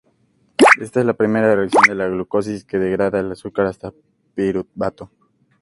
Esta es la primera reacción de la glucólisis que degrada al azúcar hasta piruvato.